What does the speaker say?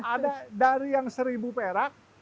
ada dari yang seribu perak